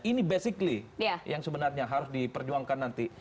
ini basically yang sebenarnya harus diperjuangkan nanti